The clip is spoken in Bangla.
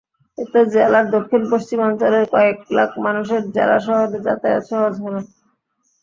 এতে জেলার দক্ষিণ-পশ্চিমাঞ্চলের কয়েক লাখ মানুষের জেলা শহরে যাতায়াত সহজ হলো।